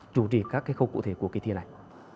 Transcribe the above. chủ trì các cái khâu cụ thể của kỳ thi này